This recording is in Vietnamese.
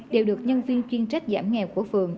đều được nhân viên chuyên trách giảm nghèo của phường